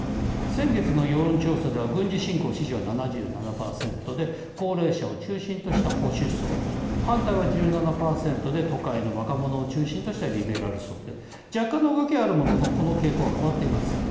先月の世論調査では軍事侵攻支持は７７％で高齢者を中心とした保守層反対は１７％で都会の若者を中心としたリベラル層で若干の動きはあるもののこの傾向は変わっていません。